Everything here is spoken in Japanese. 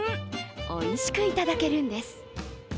おいしくいただけるんです。